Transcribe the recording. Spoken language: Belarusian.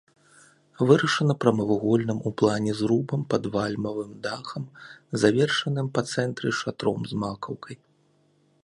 Вырашана прамавугольным у плане зрубам пад вальмавым дахам, завершаным па цэнтры шатром з макаўкай.